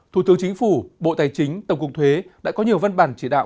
thủ tướng chính phủ bộ tài chính tổng cục thuế đã có nhiều văn bản chỉ đạo